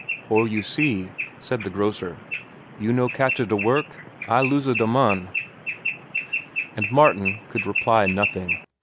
"For you see," said the grocer, "you no catcha da work, I losa da mon'." And Martin could reply nothing.